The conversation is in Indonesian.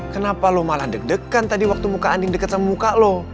kenapa lo malah deg degan tadi waktu muka andin dekat sama muka lo